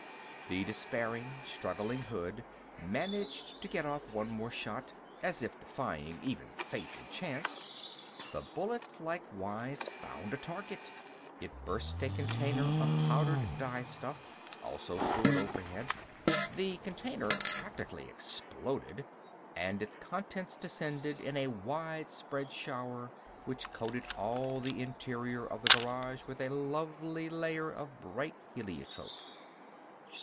The despairing, struggling hood managed to get off one more shot, as if defying even fate and chance. This bullet likewise found a target. It burst a container of powdered dye stuff, also stored overhead. The container practically exploded and its contents descended in a widespread shower which coated all the interior of the garage with a lovely layer of bright heliotrope.